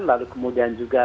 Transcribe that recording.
lalu kemudian juga